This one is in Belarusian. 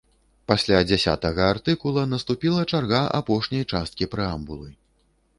Пасля дзясятага артыкула наступіла чарга апошняй часткі прэамбулы.